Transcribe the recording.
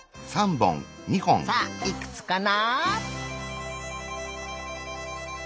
さあいくつかな？